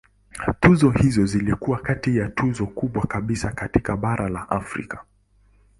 Tuzo hizo zilikuwa kati ya tuzo kubwa kabisa katika bara la Afrika.